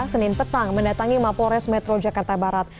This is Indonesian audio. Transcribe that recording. senin petang mendatangi mapores metro jakarta barat